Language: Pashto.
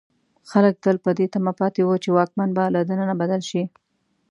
خلک تل په دې تمه پاتې وو چې واکمن به له دننه بدل شي.